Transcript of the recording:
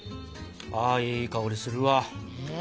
あいい香りするわ。